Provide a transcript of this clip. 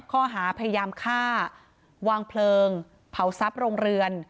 ข้อหาพยายามฆ่าวางเพลิงเผาทรัพย์โรงเรือน